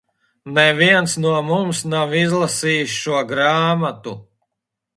Neviens no mums nav izlasījis šo grāmatu.